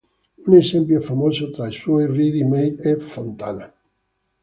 Un esempio famoso tra i suoi ready-made è Fontana.